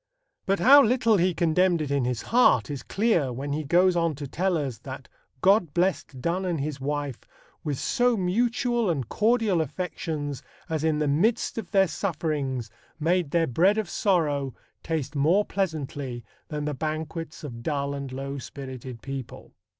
But how little he condemned it in his heart is clear when he goes on to tell us that God blessed Donne and his wife "with so mutual and cordial affections, as in the midst of their sufferings made their bread of sorrow taste more pleasantly than the banquets of dull and low spirited people."